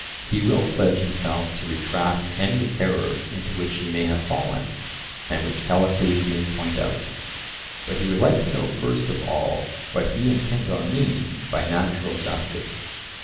He will pledge himself to retract any error into which he may have fallen, and which Callicles may point out. But he would like to know first of all what he and Pindar mean by natural justice.